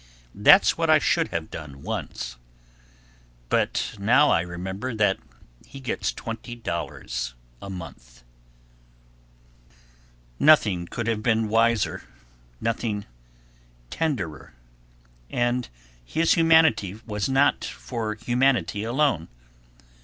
"That's what I should have done once. But now I remember that he gets twenty dollars a month." Nothing could have been wiser, nothing tenderer, and his humanity was not for humanity alone.